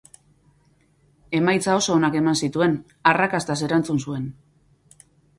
Emaitza oso onak eman zituen, arrakastaz erantzun zuen.